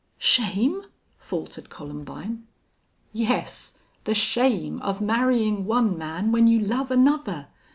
"Shame?" faltered Columbine. "Yes. The shame of marrying one man when you love another.